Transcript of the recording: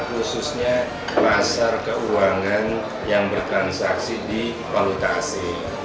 khususnya pasar keuangan yang bertransaksi di palutasi